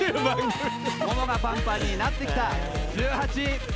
ももがパンパンになってきた１８。